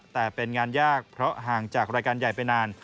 แต่เป็นงานยากเพราะห่างจากรายการใหญ่ไปนาน